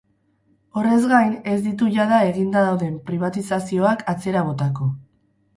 Horrez gain, ez ditu jada eginda dauden pribatizazioak atzera botako.